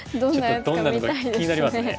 ちょっとどんなのか気になりますね。